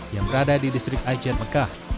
yang berada di distrik ajen mekah